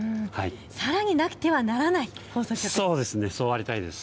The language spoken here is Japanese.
さらに、なくてはならない放送局、そうなりたいです。